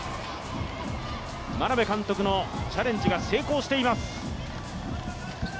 眞鍋監督のチャレンジが成功しています。